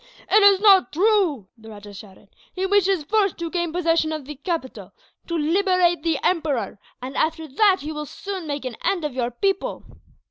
"It is not true!" the rajah shouted. "He wishes first to gain possession of the capital, to liberate the Emperor and, after that, he will soon make an end of your people."